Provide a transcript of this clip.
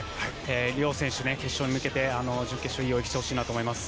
両選手決勝に向けて準決勝みたいな、いい泳ぎをしてほしいなと思います。